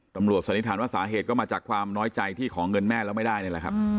สันนิษฐานว่าสาเหตุก็มาจากความน้อยใจที่ขอเงินแม่แล้วไม่ได้นี่แหละครับ